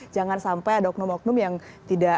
jangan sampai ada oknum oknum yang tidak